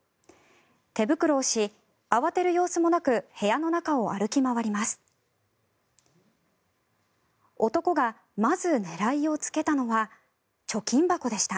手袋をし、慌てる様子もなく部屋の中を歩き回りました。